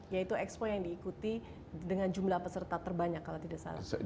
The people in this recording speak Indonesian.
yaitu expo yang diikuti dengan jumlah peserta terbanyak kalau tidak salah